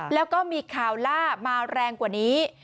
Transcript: แล้วก็มีข่าวล่ามาแรงกว่านี้